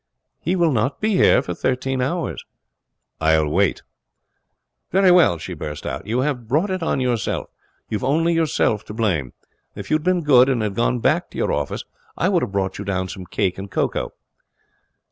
'He will not be here for thirteen hours.' I'll wait.' 'Very well,' she burst out; 'you have brought it on yourself. You've only yourself to blame. If you had been good and had gone back to your office, I would have brought you down some cake and cocoa.'